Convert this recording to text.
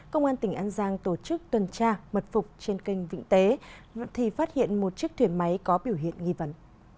công an tỉnh an giang tổ chức tuần tra mật phục trên kênh vĩnh tế thì phát hiện một chiếc thuyền máy có biểu hiện nghi vấn